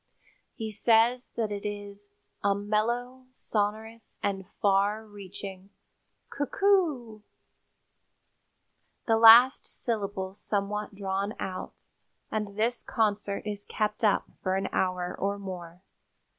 He says that it is "a mellow, sonorous and far reaching 'coo c oo,' the last syllables somewhat drawn out, and this concert is kept up for an hour or more.